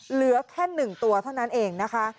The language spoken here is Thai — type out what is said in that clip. เหลือแค่๑ตัวเท่านั้นเองนะคะ